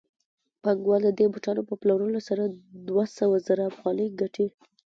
پانګوال د دې بوټانو په پلورلو سره دوه سوه زره افغانۍ ګټي